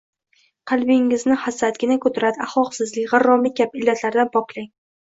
Qalbingizni hasad, gina-kudurat, axloqsizlik, g‘irromlik kabi illatlardan poklang.